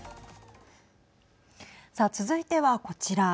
さあ、続いてはこちら。